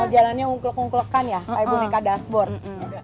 jalannya unggul unggulkan ya kayak boneka dashboard